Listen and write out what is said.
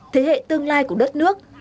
thế hệ tương lai của đất nước